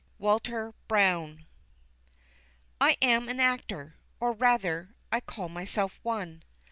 WALTER BROWNE. I am an actor, or rather, I call myself one.